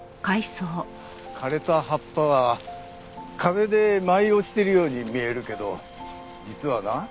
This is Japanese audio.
枯れた葉っぱは風で舞い落ちてるように見えるけど実はな